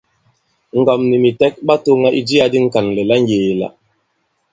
Ŋgɔ̀m nì mìtɛk ɓa tōŋa i jiā di Ŋkànlɛ̀ la ŋyēe-la.